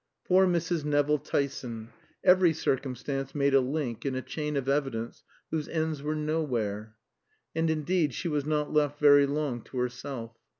Poor Mrs. Nevill Tyson, every circumstance made a link in a chain of evidence whose ends were nowhere. And, indeed, she was not left very long to herself.